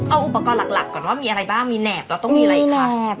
เอาอุปกรณ์หลักก่อนว่ามีอะไรบ้างมีแหนบเราต้องมีอะไรแคบ